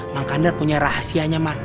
mang kandar punya rahasianya